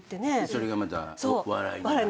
それがまた笑いになり。